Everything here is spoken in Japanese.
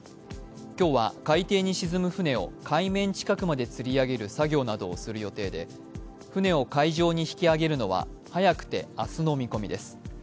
今日は海底に沈む船を海面近くまでつり上げる作業などをする予定で、船を海上に引き揚げるのは早くて明日の見込みです。